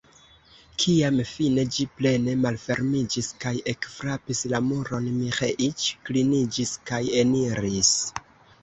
Kiam fine ĝi plene malfermiĝis kaj ekfrapis la muron, Miĥeiĉ kliniĝis kaj eniris.